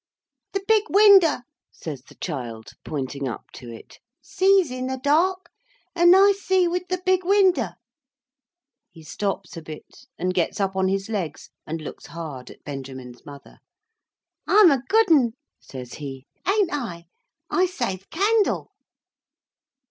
"The big winder," says the child, pointing up to it, "sees in the dark; and I see with the big winder." He stops a bit, and gets up on his legs, and looks hard at Benjamin's mother. "I'm a good 'un," says he, "ain't I? I save candle."